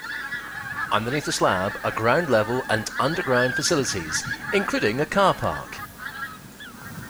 Underneath the slab are ground-level and underground facilities, including a car park.